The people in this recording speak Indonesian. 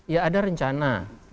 ya ada rencana